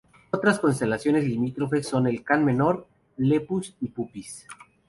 Otras constelaciones limítrofes son el Can Menor, Lepus y Puppis.